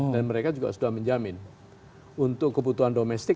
dan mereka juga sudah menjamin untuk kebutuhan domestik